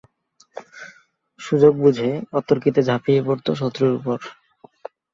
সুযোগ বুঝে অতর্কিতে ঝাঁপিয়ে পড়ত শত্রুর ওপর।